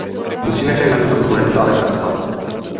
Musíme však na tomto problému dále pracovat.